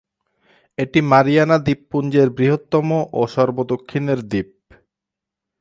এটি মারিয়ানা দ্বীপপুঞ্জের বৃহত্তম ও সর্ব দক্ষিণের দ্বীপ।